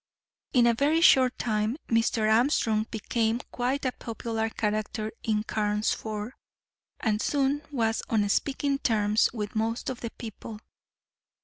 In a very short time Mr. Armstrong became quite a popular character in Carnesford, and soon was on speaking terms with most of the people.